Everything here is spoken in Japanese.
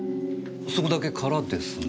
そこだけ空ですね。